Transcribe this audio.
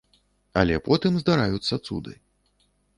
Але потым здараюцца цуды.